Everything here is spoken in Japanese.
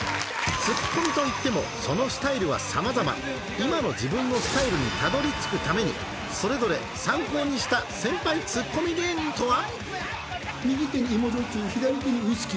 ツッコミといってもそのスタイルはさまざま今の自分のスタイルにたどりつくためにそれぞれ右手に芋焼酎左手にウイスキー。